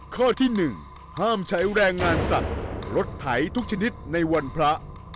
ข้อที่๑ห้ามใช้แรงงานสัตว์รถไถทุกชนิดในวันพระ